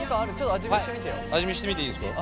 味見してみていいですか？